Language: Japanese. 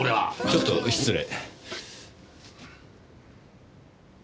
ちょっと失礼。